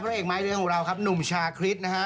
พระเอกไม้เลื้อยของเราครับหนุ่มชาคิดนะฮะ